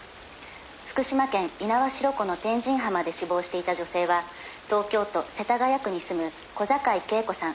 「福島県猪苗代湖の天神浜で死亡していた女性は東京都世田谷区に住む小坂井恵子さん